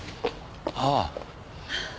ああ。